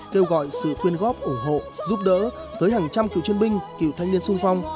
kêu gọi sự quyên góp ủng hộ giúp đỡ tới hàng trăm cựu chiến binh cựu thanh niên sung phong